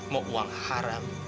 mau uang haram